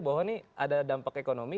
bahwa ini ada dampak ekonomi